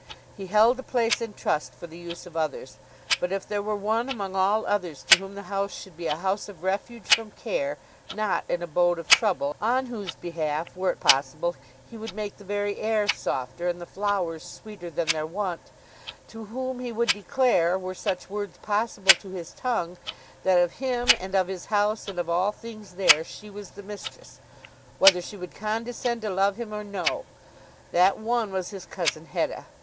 He held the place in trust for the use of others. But if there were one among all others to whom the house should be a house of refuge from care, not an abode of trouble, on whose behalf were it possible he would make the very air softer, and the flowers sweeter than their wont, to whom he would declare, were such words possible to his tongue, that of him and of his house, and of all things there she was the mistress, whether she would condescend to love him or no, that one was his cousin Hetta.